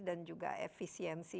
dan juga efisiensi